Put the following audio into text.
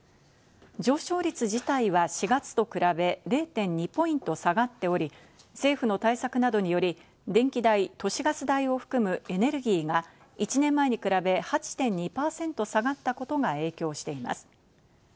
上昇率自体は４月と比べ０．２ポイント下がっており、政府の対策などにより電気代・都市ガス代を含むエネルギーが１年前に比べ、８．２％下がったことが影響しています。